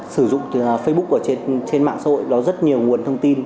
sử dụng facebook trên mạng xã hội đó rất nhiều nguồn thông tin